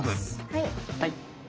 はい。